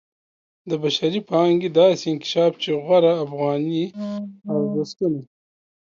د بشري پانګې داسې انکشاف چې غوره افغاني ارزښتونو